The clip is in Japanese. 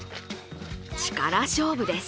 力勝負です。